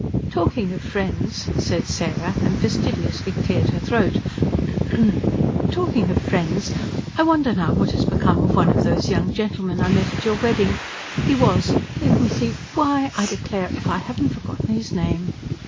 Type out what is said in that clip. "Talking of friends," said Sarah, and fastidiously cleared her throat. "Talking of friends, I wonder now what has become of one of those young gentlemen I met at your wedding. He was ... let me see ... why, I declare if I haven't forgotten his name!"